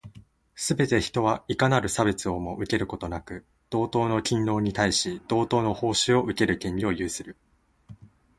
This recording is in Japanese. すべて人は、いかなる差別をも受けることなく、同等の勤労に対し、同等の報酬を受ける権利を有する。